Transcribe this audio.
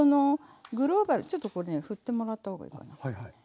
ちょっとこうねふってもらった方がいいかな。